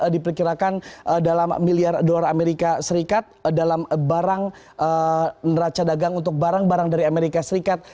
diperkirakan dalam miliar dolar amerika serikat dalam barang neraca dagang untuk barang barang dari amerika serikat